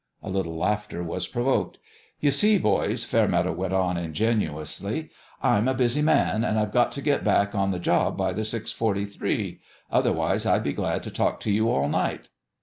A little laughter was provoked. "You see, boys," Fairmeadow went on, in genuously, " I'm a busy man, and I've got to get back on the job by the 6 143. Otherwise I'd be glad to talk to you all night."